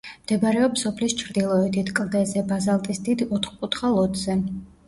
მდებარეობს სოფლის ჩრდილოეთით, კლდეზე, ბაზალტის დიდ ოთხკუთხა ლოდზე.